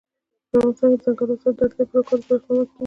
په افغانستان کې د دځنګل حاصلات د اړتیاوو پوره کولو لپاره اقدامات کېږي.